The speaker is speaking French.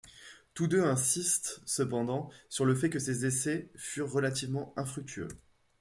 Tous deux insistent cependant sur le fait que ces essais furent relativement infructueux.